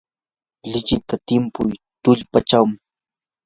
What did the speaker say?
lichita timpuy tullpachaw.